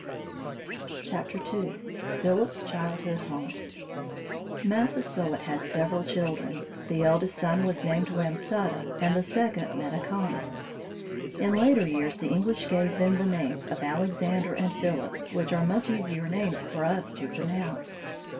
II. PHILIP'S CHILDHOOD HOME Massasoit had several children. The eldest son was named Wamsutta, and the second Metacomet. In later years, the English gave them the names of Alexander and Philip, which are much easier names for us to pronounce.